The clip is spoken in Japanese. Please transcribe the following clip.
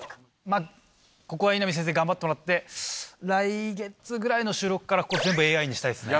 まぁここは稲見先生頑張ってもらって来月ぐらいの収録からここ全部ＡＩにしたいですね。